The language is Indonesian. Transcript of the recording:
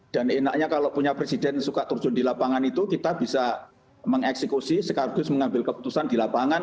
dan enaknya kalau punya presiden yang suka terjun di lapangan itu kita bisa mengeksekusi sekaligus mengambil keputusan di lapangan